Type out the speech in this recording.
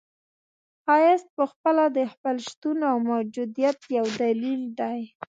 ښایست پخپله د خپل شتون او موجودیت یو دلیل دی.